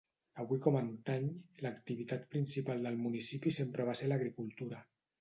Avui com antany, l'activitat principal del municipi sempre va ser l'agricultura.